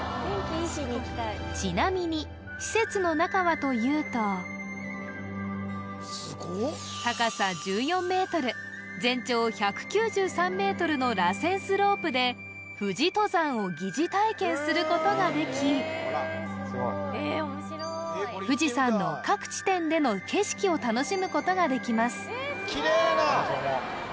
ちなみに施設の中はというと高さ１４ｍ全長１９３ｍの螺旋スロープで富士登山を疑似体験することができ富士山の各地点での景色を楽しむことができます